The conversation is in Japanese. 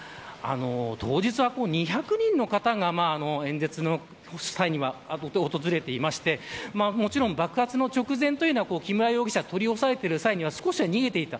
当日は２００人の方が演説の際には訪れていてもちろん爆発の直前は木村容疑者は取り押さえていた際には多くは逃げていた。